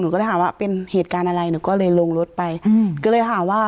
ก็ได้ถามว่าเป็นเหตุการณ์อะไรหนูก็เลยลงรถไปอืมก็เลยถามว่า